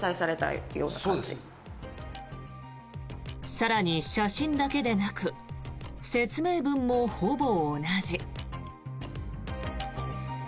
更に、写真だけでなく説明文もほぼ同じ。